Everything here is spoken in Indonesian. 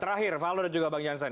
terakhir valo dan juga bang jansen